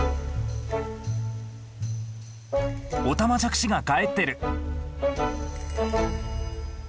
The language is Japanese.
オタマジャクシがかえっている。